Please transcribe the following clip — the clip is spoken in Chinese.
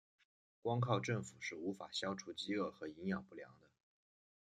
光靠政府是无法消除饥饿和营养不良的。